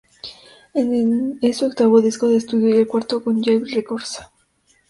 Es su octavo disco de estudio y el cuarto con Jive Records.